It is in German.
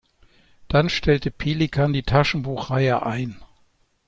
Dann stellte Pelikan die Taschenbuchreihe ein.